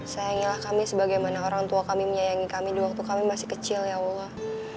sayangilah kami sebagaimana orang tua kami menyayangi kami di waktu kami masih kecil ya allah